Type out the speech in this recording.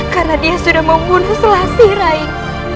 karena dia sudah membunuh selasi raih